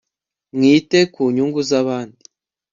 mwite ku nyungu z abandi